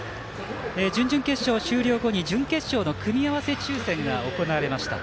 準々決勝、終了後に準決勝の組み合わせ抽せんが行われました。